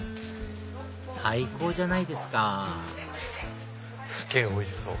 最高じゃないですかすげぇおいしそう。